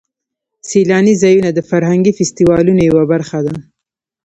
سیلاني ځایونه د فرهنګي فستیوالونو یوه برخه ده.